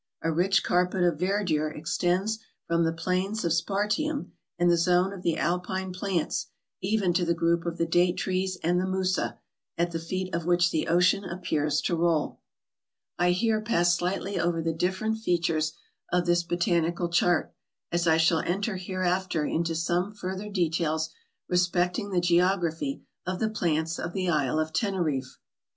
A rich carpet of verdure extends from the plains of spartium, and the zone of the alpine plants even to the group of the date trees and the musa, at the feet of which the ocean appears to roll. I here pass slightly over the different features of this botanical chart, as I shall enter hereafter into some further details respecting the geography of the plants of the Isle of Teneriffe.